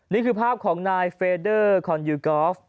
นี่คือภาพของนายเฟเดอร์คอนยูกอล์ฟ